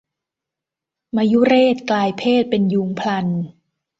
มยุเรศกลายเพศเป็นยูงพลัน